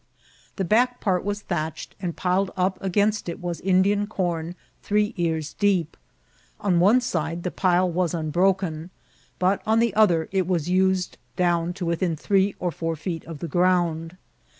The bade part was thatched, and piled up against it was Lodian com three ears deep. On one side the pile was unbroken, but on the other it was used down to within three or four feet of the ground.